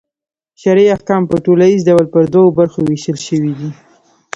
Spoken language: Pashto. شرعي احکام په ټوليز ډول پر دوو برخو وېشل سوي دي.